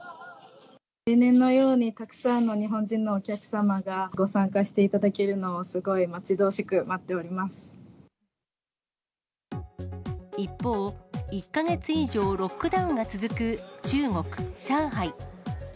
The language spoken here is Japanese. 例年のように、たくさんの日本人のお客様がご参加していただけるのをすごい待ち一方、１か月以上、ロックダウンが続く中国・上海。